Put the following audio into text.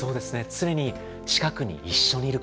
常に近くに一緒にいること。